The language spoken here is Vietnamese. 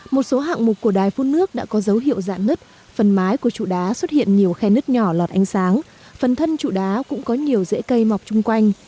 một số hạng mục của đài phun nước đã có dấu hiệu dạn nứt phần mái của trụ đá xuất hiện nhiều khe nứt nhỏ lọt ánh sáng phần thân trụ đá cũng có nhiều rễ cây mọc chung quanh